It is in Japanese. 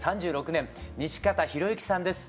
３６年西方裕之さんです。